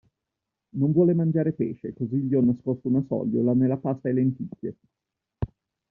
Non vuole mangiare pesce, così gli ho nascosto una sogliola nella pasta e lenticchie.